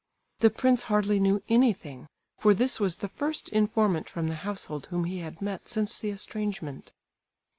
The prince hardly knew anything, for this was the first informant from the household whom he had met since the estrangement.